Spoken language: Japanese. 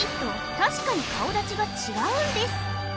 確かに顔だちが違うんです